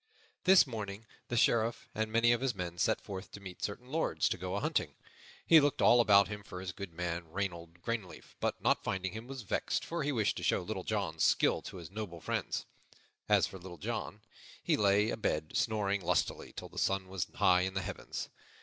This morning the Sheriff and many of his men set forth to meet certain lords, to go a hunting. He looked all about him for his good man, Reynold Greenleaf, but, not finding him, was vexed, for he wished to show Little John's skill to his noble friends. As for Little John, he lay abed, snoring lustily, till the sun was high in the heavens.